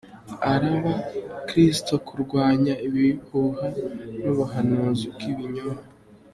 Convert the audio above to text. Araaba abakristo kurwanya ibihuha n’ubuhanuzi bw’ibinyoma.